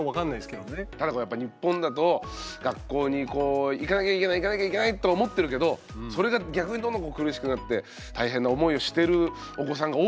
ただこれやっぱ日本だと学校にこう行かなきゃいけない行かなきゃいけないと思ってるけどそれが逆にどんどんこう苦しくなって大変な思いをしてるお子さんが多くて。